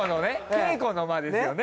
稽古の間ですよね。